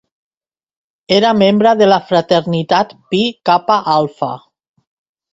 Era membre de la fraternitat Pi Kappa Alpha.